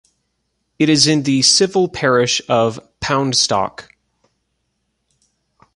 It is in the civil parish of Poundstock.